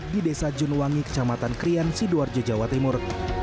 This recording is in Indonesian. di desa junuwangi kecamatan krian sidoarjo jawa timur